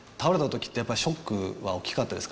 倒れたときって、やっぱりショックは大きかったですか？